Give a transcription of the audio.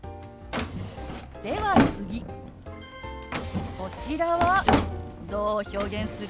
では次こちらはどう表現する？